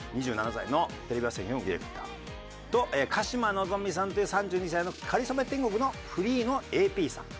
２７歳のテレビ朝日のディレクターと鹿島望さんという３２歳の『かりそめ天国』のフリーのＡＰさん。